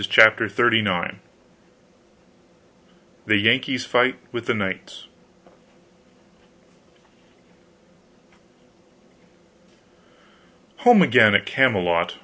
CHAPTER XXXIX THE YANKEE'S FIGHT WITH THE KNIGHTS Home again, at Camelot.